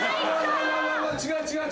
違う違う。